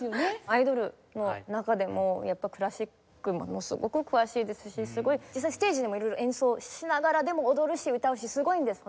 アイドルの中でもやっぱりクラシックものすごく詳しいですしすごい実際ステージでもいろいろ演奏しながらでも踊るし歌うしすごいんです